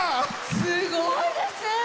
すごいですね！